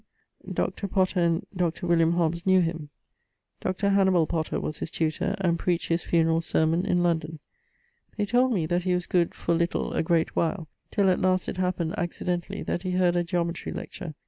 Oxon._). Dr. Potter and Dr. Hobbes knew him. Dr. Hannibal Potter was his tutor, and preached his funeral sermon in London. They told me that he was good for little a great while, till at last it happened accidentally, that he heard a Geometrie lecture.